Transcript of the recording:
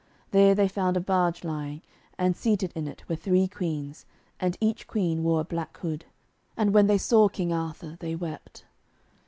There they found a barge lying, and seated in it were three Queens, and each Queen wore a black hood. And when they saw King Arthur they wept.